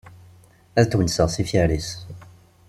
Ad twenseɣ s yifyar-is.